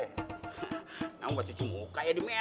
hah ngamu baca cemuka ya di meja